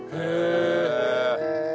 へえ！